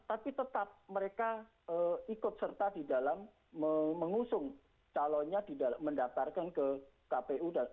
tapi tetap mereka ikut serta di dalam mengusung calonnya mendaftarkan ke kpu